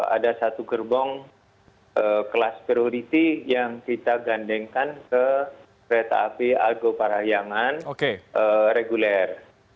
ada satu gerbong kelas priority yang kita gandengkan ke kereta api argo parahyangan reguler